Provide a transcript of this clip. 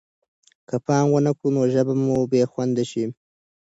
که پام ونه کړو نو ژبه به مو بې خونده شي.